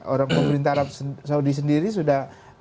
orang pemerintah arab saudi sendiri sudah